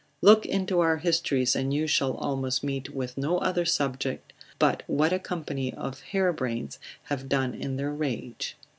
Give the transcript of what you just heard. Look into our histories, and you shall almost meet with no other subject, but what a company of harebrains have done in their rage.